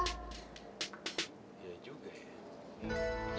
ya juga ya